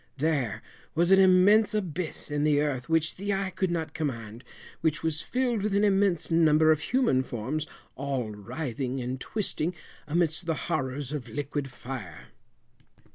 There was an immense abyss in the earth which the eye could not command, which was filled with an immense number of human forms, all writhing and twisting amidst the horrors of liquid fire.